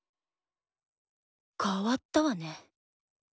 変わったわねぇ。